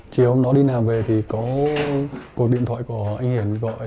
chiều hôm đó đi nàng về thì có cuộc điện thoại của anh hiển gọi